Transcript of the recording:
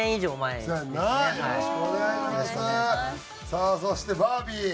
さあそしてバービー。